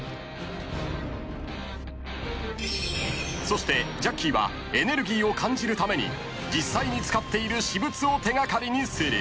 ［そしてジャッキーはエネルギーを感じるために実際に使っている私物を手掛かりにする］